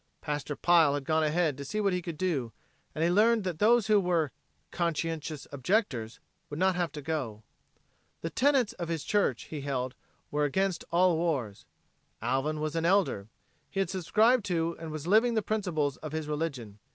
Pastor Pile had gone ahead to see what he could do, and he learned that those who were "conscientious objectors" would not have to go. The tenets of his church, he held, were against all wars. Alvin was an elder; he had subscribed to and was living the principles of his religion.